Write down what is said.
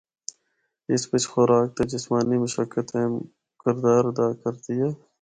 اس بچ خوراک تے جسمانی مشقت اہم کردار ادا کردی ہے۔